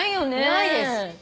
ないです。